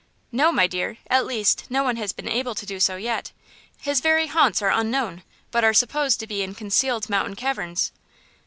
"No, my dear; at least, no one has been able to do so yet. His very haunts are unknown, but are supposed to be in concealed mountain caverns."